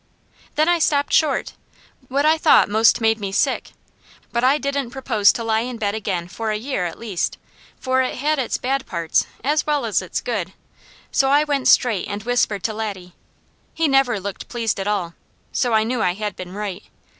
Then I stopped short. What I thought most made me sick, but I didn't propose to lie in bed again for a year at least, for it had its bad parts as well as its good; so I went straight and whispered to Laddie. He never looked pleased at all, so I knew I had been right.